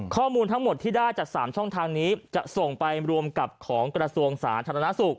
ข้อมูลทั้งหมดที่ได้จาก๓ช่องทางนี้จะส่งไปรวมกับของกระทรวงสาธารณสุข